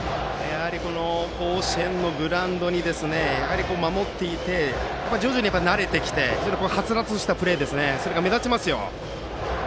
甲子園のグラウンドに守っていて、徐々に慣れてきてはつらつとしたプレーが非常に目立ちますね。